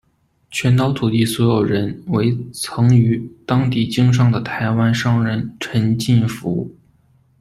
全岛土地所有人为曾于当地经商的台湾商人陈进福。